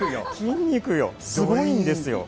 すごいんですよ。